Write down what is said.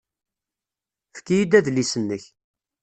Efk-iyi-d adlis-nnek.